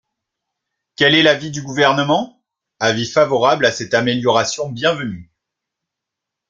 Quel est l’avis du Gouvernement ? Avis favorable à cette amélioration bienvenue.